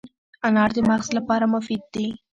انار د مغز لپاره مفید دی.